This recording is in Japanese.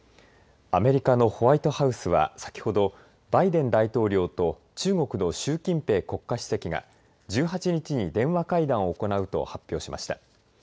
アメリカのホワイトハウスは先ほど、バイデン大統領と中国の習近平国家主席が１８日に電話会談を行うと発表しました。